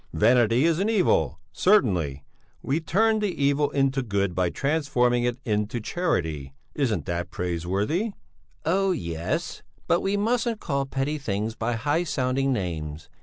Vanity is an evil, certainly; we turn the evil into good by transforming it into charity. Isn't that praiseworthy?" "Oh, yes! But we mustn't call petty things by high sounding names.